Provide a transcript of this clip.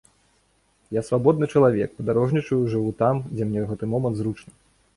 Я свабодны чалавек, падарожнічаю, жыву там, дзе мне ў гэты момант зручна.